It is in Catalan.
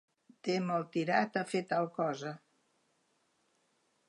Té molt tirat a fer tal cosa.